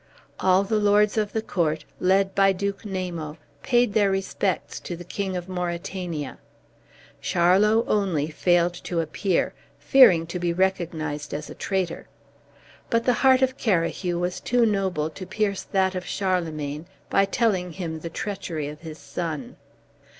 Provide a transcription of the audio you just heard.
All the lords of the court, led by Duke Namo, paid their respects to the King of Mauritania. Charlot only failed to appear, fearing to be recognized as a traitor; but the heart of Carahue was too noble to pierce that of Charlemagne by telling him the treachery of his son.